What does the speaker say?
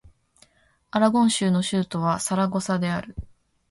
アラゴン州の州都はサラゴサである